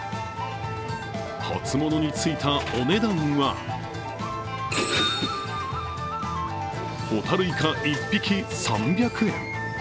初物についたお値段はホタルイカ１匹３００円。